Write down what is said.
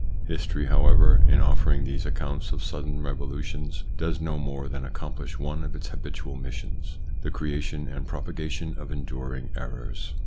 History, however, in offering these accounts of sudden revolutions does no more than accomplish one of its habitual missions : the creation and propagation of enduring errors.